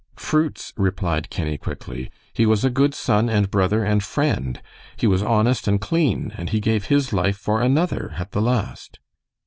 "Fruits?" replied Kenny, quickly. "He was a good son and brother and friend; he was honest and clean, and he gave his life for another at the last."